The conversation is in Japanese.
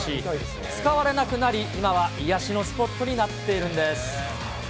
使われなくなり、今は癒やしのスポットになっているんです。